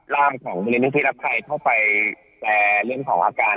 ร่ามของบริเวณหน้าที่รับไข้เท่าไปแต่เรียนของอาการ